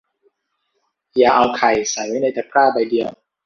อย่าเอาไข่ใส่ไว้ในตะกร้าใบเดียว